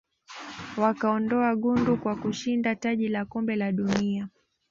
wakaondoa gundu kwa kashinda taji la kombe la dunia